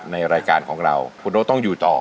ในรายการของเราคุณโอ๊ตต้องอยู่ต่อ